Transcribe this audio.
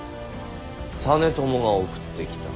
実朝が送ってきた。